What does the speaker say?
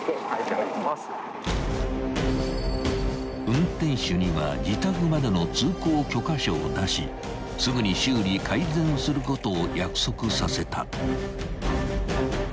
［運転手には自宅までの通行許可書を出しすぐに修理改善することを約束させた］